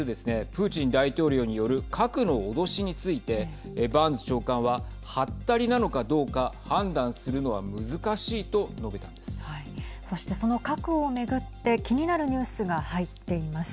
プーチン大統領による核の脅しについてバーンズ長官ははったりなのかどうか判断するのはそして、その核を巡って気になるニュースが入っています。